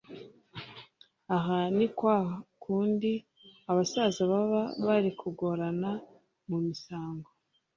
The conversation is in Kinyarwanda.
aha ni kwa kundi abasaza baba bari kugorana mu misango).